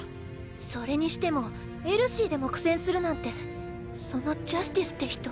それにしてもエルシーでも苦戦するなんてそのジャスティスって人。